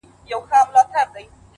د بدبینۍ پر ځای هیله